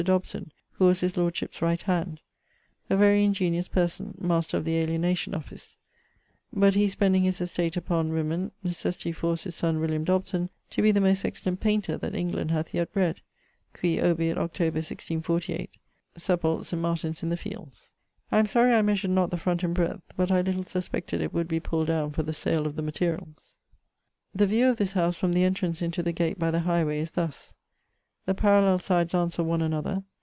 Dobson (who was his lordship's right hand) a very ingeniose person (Master of the Alienation Office); but he spending his estate upon woemen, necessity forced his son William Dobson to be the most excellent painter that England hath yet bred, qui obiit Oct. 1648; sepult. S. Martin's in the fields. [XVIII.] I am sorry I measured not the front and breadth; but I little suspected it would be pulled downe for the sale of the materialls. The view of this howse from the entrance into the gate by the high way is thus. The parallel sides answer one another.